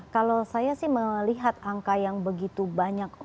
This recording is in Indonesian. kalau saya sih melihat angka yang begitu banyak